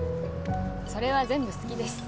それは全部好きです。